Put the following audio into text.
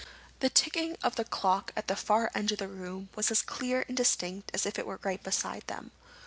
The ticking of the clock at the far end of the room was as clear and distinct as if it were right beside them.